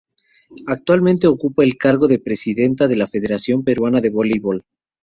Actualmente ocupa el cargo de presidenta de la Federación Peruana de Voleibol.